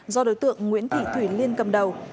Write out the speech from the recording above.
do đối tượng nguyễn thị thủy liên cầm đầu